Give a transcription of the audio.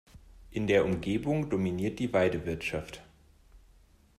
In der Umgebung dominiert die Weidewirtschaft.